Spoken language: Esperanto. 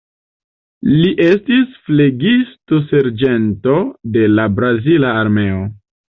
Li estis flegisto-serĝento de la brazila armeo.